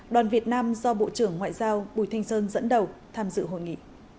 đoàn việt nam do bộ trưởng ngoại giao bùi thanh sơn dẫn đầu tham dự hội nghị